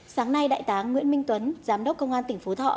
sáng nay đại tá nguyễn minh tuấn giám đốc công an tỉnh phú thọ